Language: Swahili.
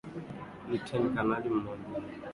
luten kanali mmoja wakuhusika kwenye ubakaji nchini humo